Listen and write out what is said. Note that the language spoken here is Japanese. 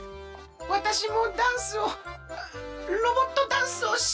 わたしもダンスをロボットダンスをしてみたい。